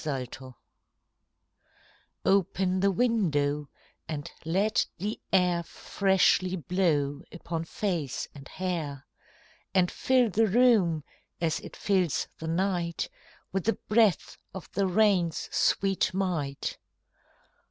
Nelson] OPEN the window, and let the air Freshly blow upon face and hair, And fill the room, as it fills the night, With the breath of the rain's sweet might.